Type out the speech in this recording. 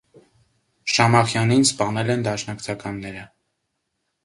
Շամախյանին սպանել են դաշնակցականները։